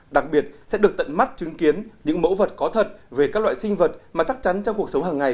đặc biệt sẽ được tận mắt chứng kiến những mẫu vật có thật về các loại sinh vật mà chắc chắn trong cuộc sống hàng ngày